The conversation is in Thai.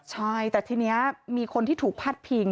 ใช่แต่ทีนี้มีคนที่ถูกพาดพิง